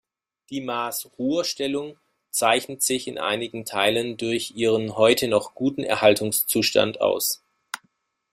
Die Maas-Rur-Stellung zeichnet sich in einigen Teilen durch ihren heute noch guten Erhaltungszustand aus.